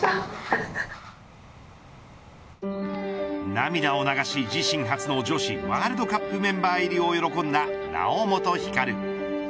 涙を流し、自身初の女子ワールドカップメンバー入りを喜んだ猶本光。